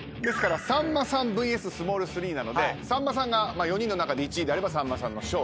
さんまさんＶＳスモール３なのでさんまさんが４人の中で１位であればさんまさんの勝利。